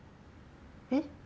えっ？